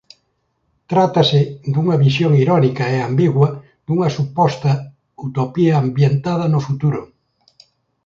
Trátase dunha visión irónica e ambigua dunha suposta utopía ambientada no futuro.